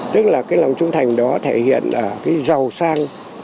tức là cái lòng trung thành đó thể hiện ở cái giàu sang